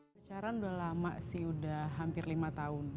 pacaran udah lama sih udah hampir lima tahun